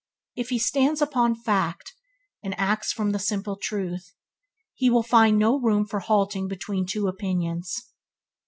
If he stands upon fact, and acts from the simple truth, he will find no room for halting between two opinions.